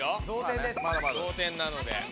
同点なので。